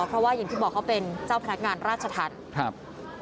เพราะว่าอย่างที่บอกเขาเป็นเจ้าพนักงานราชธรรมครับ